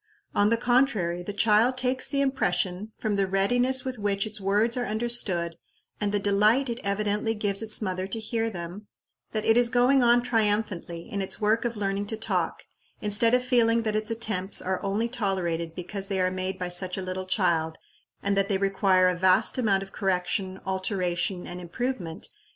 On the contrary, the child takes the impression, from the readiness with which its words are understood and the delight it evidently gives its mother to hear them, that it is going on triumphantly in its work of learning to talk, instead of feeling that its attempts are only tolerated because they are made by such a little child, and that they require a vast amount of correction, alteration, and improvement, before they will be at all satisfactory.